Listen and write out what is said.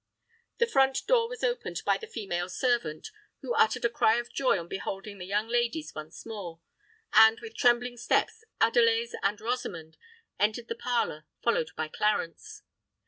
The front door was opened by the female servant, who uttered a cry of joy on beholding the young ladies once more; and with trembling steps Adelais and Rosamond entered the parlour, followed by Clarence.